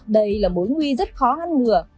đây là bối nguy rất khó hăn ngừa